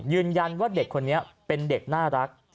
ยืนยันว่าเด็กคนนี้เป็นเด็กน่ารัก